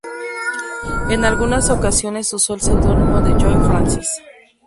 En algunas ocasiones usó el seudónimo de Joe Francis.